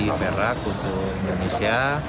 jadi perak untuk indonesia